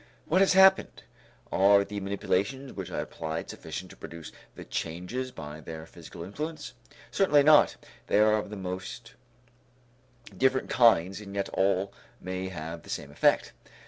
What has happened? Are the manipulations which I applied sufficient to produce the changes by their physical influence? Certainly not; they are of the most different kinds and yet all may have the same effect.